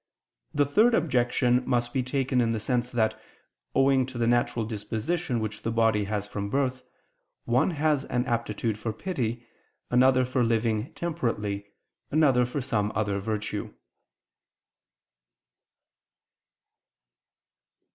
The third objection must be taken in the sense that, owing to the natural disposition which the body has from birth, one has an aptitude for pity, another for living temperately, another for some other virtue.